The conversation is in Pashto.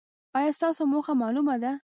ایا ستاسو موخه معلومه ده؟